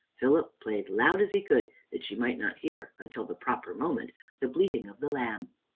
Philip played as loud as he could, that she might not hear, until the proper moment, the bleating of the lamb.